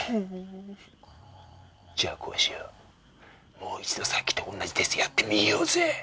もう一度さっきと同じテストやってみようぜ！